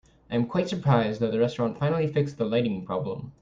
I am quite surprised that the restaurant finally fixed the lighting problem.